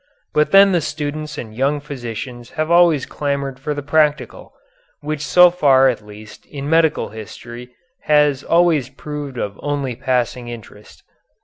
But then the students and young physicians have always clamored for the practical which so far at least in medical history has always proved of only passing interest.